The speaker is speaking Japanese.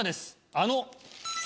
あの。